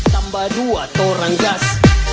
tambah dua torang gas